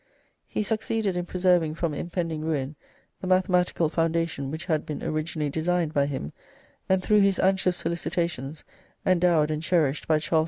He succeeded in preserving from impending ruin the mathematical foundation which had been originally designed by him, and through his anxious solicitations endowed and cherished by Charles II.